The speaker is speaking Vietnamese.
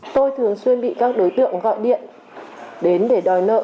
tôi thường xuyên bị các đối tượng gọi điện đến để đòi nợ